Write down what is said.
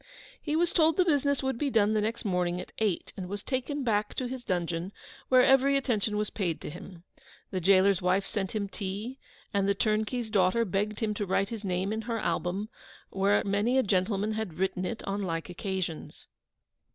He was told the business would be done the next morning at eight, and was taken back to his dungeon, where every attention was paid to him. The gaoler's wife sent him tea, and the turnkey's daughter begged him to write his name in her album, where a many gentlemen had written it on like occasions!